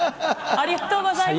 ありがとうございます。